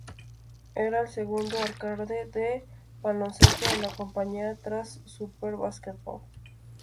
Era el segundo "arcade" de baloncesto de la compañía, tras "Super Basketball".